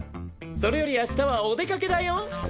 それより明日はお出かけだよ。